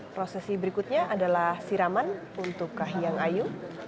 prosesi berikutnya adalah siraman untuk kahiyang ayu